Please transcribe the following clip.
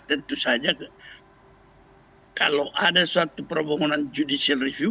tentu saja kalau ada suatu permohonan judicial review